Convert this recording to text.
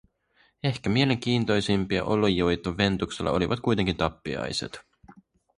Ehkä mielenkiintoisimpia olioita Ventuksella olivat kuitenkin tappiaiset.